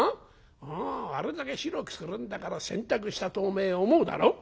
あれだけ白くするんだから洗濯したとおめえ思うだろ？」。